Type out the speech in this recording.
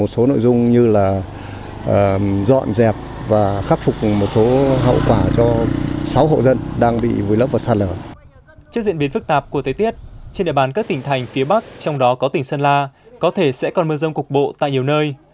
trước diễn biến phức tạp của tế tiết trên địa bàn các tỉnh thành phía bắc trong đó có tỉnh sơn la có thể sẽ còn mưa rông cục bộ tại nhiều nơi